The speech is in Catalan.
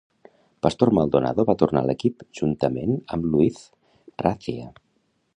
Pastor Maldonado va tornar a l'equip, juntament amb Luiz Razia.